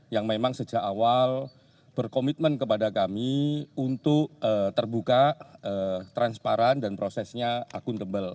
yang memang sejak awal berkomitmen kepada kami untuk terbuka transparan dan prosesnya akuntabel